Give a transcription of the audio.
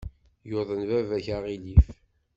Yuḍen baba-k aɣilif.